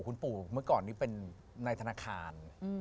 คุณปู่เมื่อก่อนนี้เป็นในธนาคาร